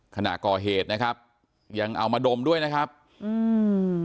ขณะก่อเหตุนะครับยังเอามาดมด้วยนะครับอืม